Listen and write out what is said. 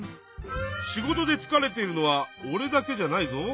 仕事でつかれているのはおれだけじゃないぞ。